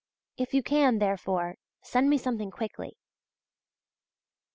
If you can, therefore, send me something quickly.